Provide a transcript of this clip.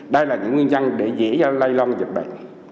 đây là những nguyên nhân để dễ lây lan dịch bệnh